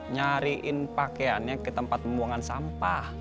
nyariin pakaiannya ke tempat pembuangan sampah